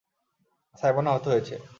Simon আহত হয়েছে!